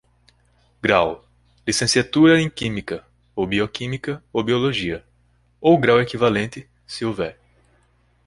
Grau: Licenciatura em Química, ou Bioquímica ou Biologia, ou grau equivalente, se houver.